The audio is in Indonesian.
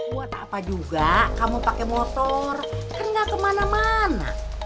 buat apa juga kamu pakai motor kan gak kemana mana